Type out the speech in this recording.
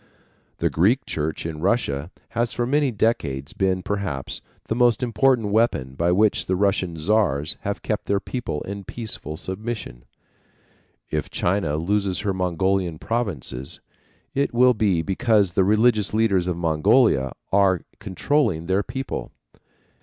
The Greek church in Russia has for many decades been, perhaps, the most important weapon by which the Russian Czars have kept their people in peaceful submission. If China loses her Mongolian provinces, it will be because the religious leaders of Mongolia are controlling their people.